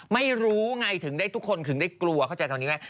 ไม่รู้ไงถึงได้ทุกคนถึงได้กลัวเข้าใจตอนนี้ไหม